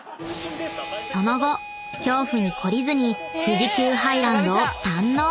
［その後恐怖に懲りずに富士急ハイランドを堪能！］